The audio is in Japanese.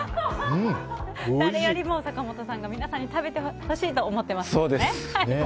誰よりも坂本さんが皆さんに食べてほしいと思ってますからね。